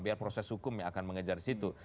biar proses hukum yang akan mengejar di situ